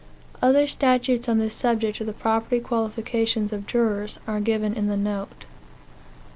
Other statutes on this subject of the property qualifications of jurors, are given in the note.